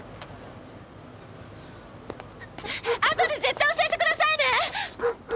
後で絶対教えてくださいね！